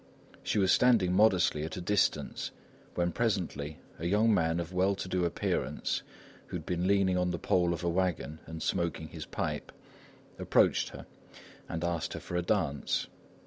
She was standing modestly at a distance, when presently a young man of well to do appearance, who had been leaning on the pole of a wagon and smoking his pipe, approached her, and asked her for a dance.